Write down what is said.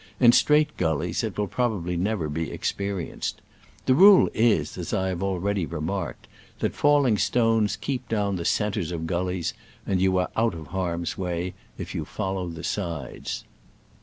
In straight gul lies it will probably never be experienced. The rule is, as I have already remarked, that falling stones keep down the centres of gullies, and you are out of harm's way if you follow the sides.